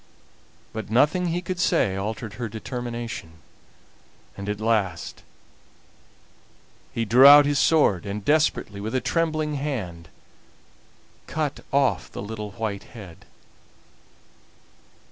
But nothing he could say altered her determination, and at last he drew his sword, and desperately, with a trembling hand, cut off the little white head.